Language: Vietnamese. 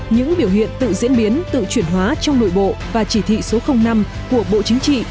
những biểu hiện tự diễn biến tự chuyển hóa trong nội bộ và chỉ thị số năm của bộ chính trị